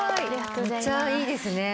むちゃいいですね。